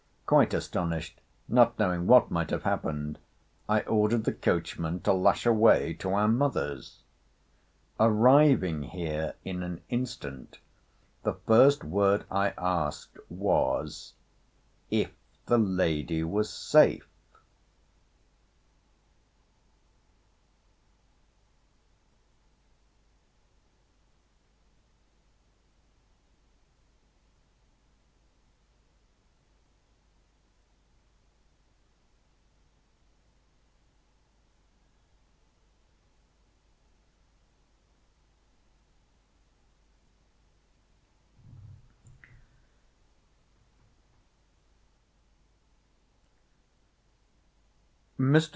Quite astonished, not knowing what might have happened, I ordered the coachman to lash away to our mother's. Arriving here in an instant, the first word I asked, was, If the lady was safe?